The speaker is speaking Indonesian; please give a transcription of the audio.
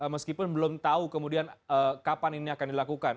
meskipun belum tahu kemudian kapan ini akan dilakukan